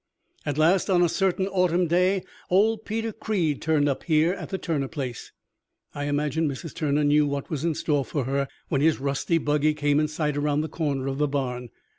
"At last, on a certain autumn day, old Peter Creed turned up here at the Turner place. I imagine Mrs. Turner knew what was in store for her when his rusty buggy came in sight around the corner of the barn.